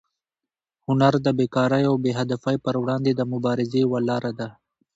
هنر د بېکارۍ او بې هدفۍ پر وړاندې د مبارزې یوه لاره ده.